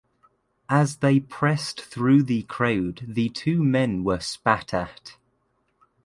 As they pressed through the crowd the two men were spat at.